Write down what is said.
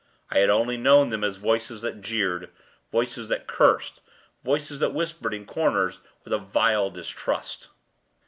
I had only known them as voices that jeered, voices that cursed, voices that whispered in corners with a vile distrust.